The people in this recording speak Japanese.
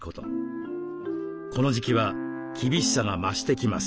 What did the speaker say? この時期は厳しさが増してきます。